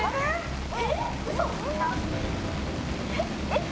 えっ？